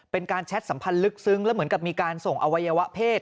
แชทสัมพันธ์ลึกซึ้งแล้วเหมือนกับมีการส่งอวัยวะเพศ